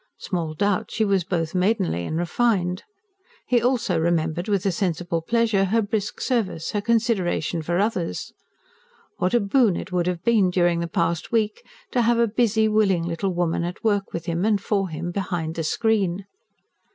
Small doubt she was both maidenly and refined. He also remembered with a sensible pleasure her brisk service, her consideration for others. What a boon it would have been, during the past week, to have a busy, willing little woman at work, with him and for him, behind the screen!